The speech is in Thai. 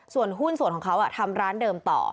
ส่วนหุ้นส่วนของเขาทำร้านเดิมต่อ